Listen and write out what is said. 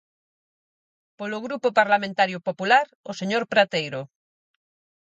Polo Grupo Parlamentario Popular, o señor Prateiro.